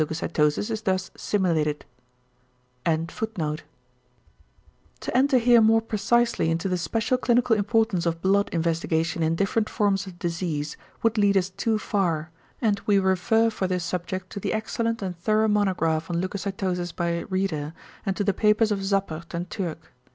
To enter here more precisely into the special clinical importance of blood investigation in different forms of disease would lead us too far, and we refer for this subject to the excellent and thorough monograph on leucocytosis by Rieder and to the papers of Zappert and Türk.